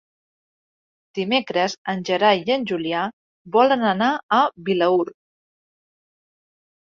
Dimecres en Gerai i en Julià volen anar a Vilaür.